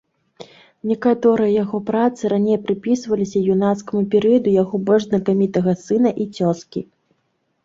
Некаторыя яго працы раней прыпісваліся юнацкаму перыяду яго больш знакамітага сына і цёзкі.